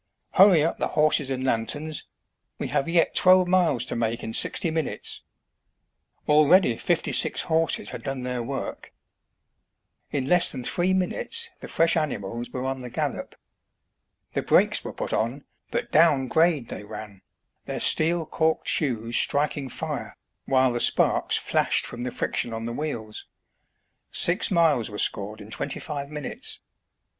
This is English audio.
"Hurry up the horses and lanterns. We have yet twelve miles to make in sixty minutes." Already fifty six horses had done their work. In less than three minutes the STAGE COACHING IN ENGLAND. 53 fresh animals were on the gallop. The brakes were put on, but down grade they ran, their steel corked shoes striking fire, while the sparks flashed from the friction on the wheels. Six miles were scored in twenty five minutes.